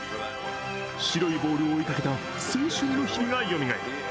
白いボールを追いかけた青春の日々がよみがえり